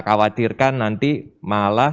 khawatirkan nanti malah